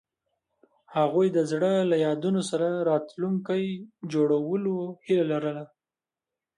هغوی د زړه له یادونو سره راتلونکی جوړولو هیله لرله.